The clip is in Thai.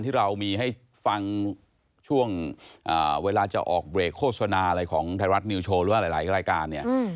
ที่เรามีให้ฟังช่วงเวลาจะออกเบรกโฆษณาอะไรของไทยรัฐนิวโชว์หรือว่าหลายรายการเนี่ย